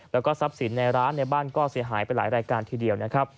แล้วก็ทรัพย์สินในร้านในบ้านก็เสียหายไปหลายรายการทีเดียวนะครับ